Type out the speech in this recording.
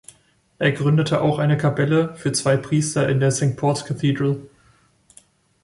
Er gründete auch eine Kapelle für zwei Priester in der St. Paul's Cathedral.